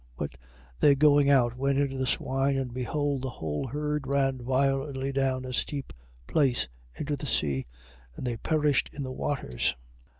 But they going out went into the swine, and behold the whole herd ran violently down a steep place into the sea: and they perished in the waters.